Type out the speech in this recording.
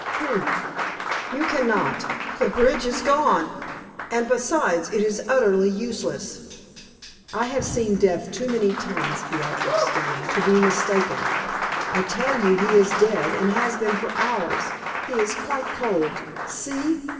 "Humph! You can not. The bridge is gone; and, besides it is utterly useless. I have seen death too many times, Beatrix Dane, to be mistaken. I tell you he is dead and has been for hours; he is quite cold. See!"